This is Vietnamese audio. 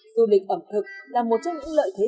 du lịch ẩm thực là một trong những lợi thế